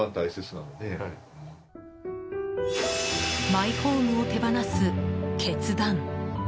マイホームを手放す決断。